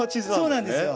そうなんですよ。